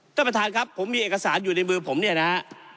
ท่านประธานครับผมมีเอกสารอยู่ในมือผมเนี่ยนะฮะ